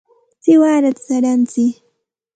¡siwarata wayratsiy!